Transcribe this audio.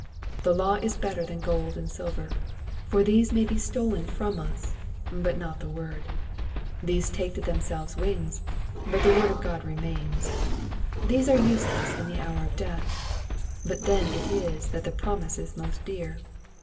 The law is better than gold and silver, for these may be stolea from us, but not the word ; these take to themselves wines, but the word of God remains ; these are useless in the hour of death, out then it is that the promise is most dear.